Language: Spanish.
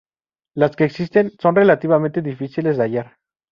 Las que existen son relativamente difíciles de hallar.